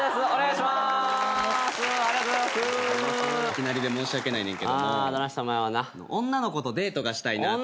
いきなりで申し訳ないねんけども女の子とデートがしたいなと思って。